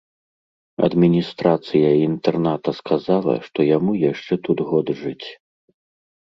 Адміністрацыя інтэрната сказала, што яму яшчэ тут год жыць.